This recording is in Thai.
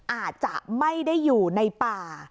อาจจะไม่ได้อยู่ในป่า